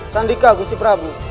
sandika gusti prabu